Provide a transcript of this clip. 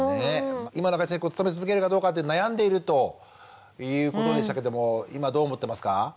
今の会社に勤め続けるかどうかって悩んでいるということでしたけども今どう思ってますか？